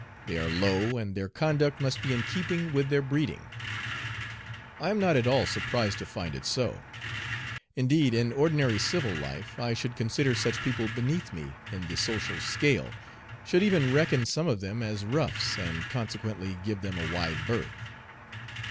They are low, and their conduct must be in keeping with their breeding. I am not at all surprised to find it so. Indeed, in ordinary civil life I should consider such people beneath me in the social scale, should even reckon some of them as roughs, and consequently give them a wide berth.